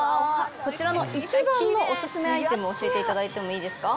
こちらの一番のオススメアイテム教えていただいてもいいですか？